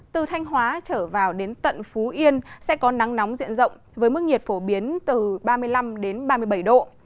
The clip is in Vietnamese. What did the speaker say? từ thanh hóa trở vào đến tận phú yên sẽ có nắng nóng diện rộng với mức nhiệt phổ biến từ ba mươi năm đến ba mươi bảy độ